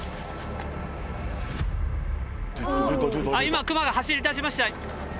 今熊が走りだしました。